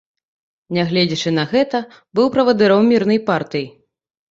Нягледзячы на гэта, быў правадыром мірнай партыі.